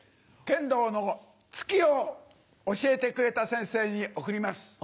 剣道の「突き」を教えてくれた先生に贈ります。